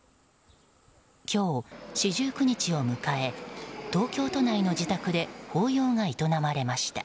今日、四十九日を迎え東京都内の自宅で法要が営まれました。